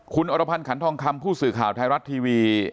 คุณอรพันธ์ขันทองคำผู้สื่อข่าวไทยรัฐทีวี